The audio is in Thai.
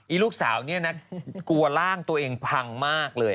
ลูกสาวนี่นะกลัวร่างตัวเองพังมากเลย